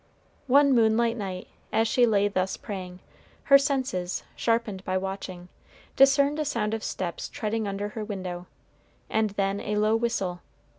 One moonlight night, as she lay thus praying, her senses, sharpened by watching, discerned a sound of steps treading under her window, and then a low whistle.